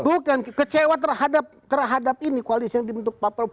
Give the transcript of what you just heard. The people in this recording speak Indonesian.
bukan kecewa terhadap ini koalis yang dibentuk paper